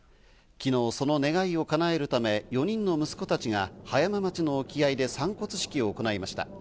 昨日、その願いを叶えるため４人の息子たちが葉山町の沖合で散骨式を行いました。